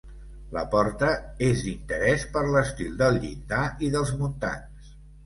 La porta és d'interés per l'estil del llindar i dels muntants.